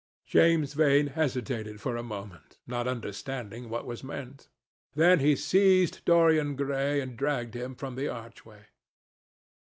James Vane hesitated for a moment, not understanding what was meant. Then he seized Dorian Gray and dragged him from the archway.